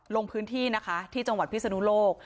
ลงพื้นที่นะคะที่จังหวัดพิศนุโลก